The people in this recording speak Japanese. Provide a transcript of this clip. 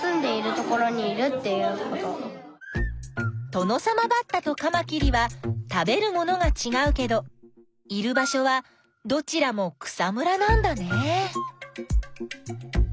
トノサマバッタとカマキリは食べるものがちがうけどいる場所はどちらも草むらなんだね。